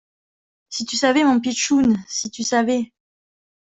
Si tu savais, mon pitchoun, si tu savais. ..